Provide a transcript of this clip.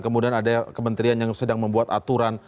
kemudian ada kementerian yang sedang membuat aturan